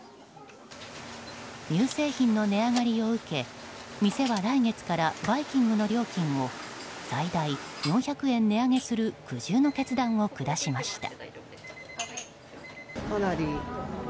乳製品の値上がりを受け店は来月からバイキングの料金を最大４００円値上げする苦渋の決断を下しました。